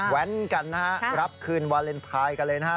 แหวนกันนะครับรับคืนวาเลนไทยกันเลยนะ